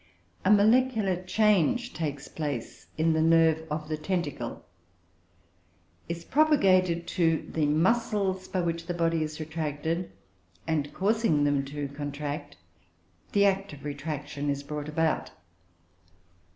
A molecular change takes place in the nerve of the tentacle, is propagated to the muscles by which the body is retracted, and causing them to contract, the act of retraction is brought about.